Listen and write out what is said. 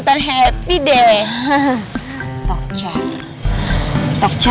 masa sih calonbiao